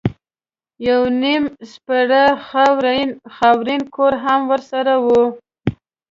یو نیم سپېره خاورین کور هم ورسره و.